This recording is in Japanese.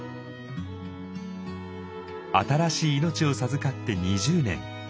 新しい命を授かって２０年。